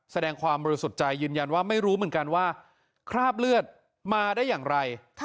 แสดงความบริสุทธิ์ใจยืนยันว่าไม่รู้เหมือนกันว่าคราบเลือดมาได้อย่างไร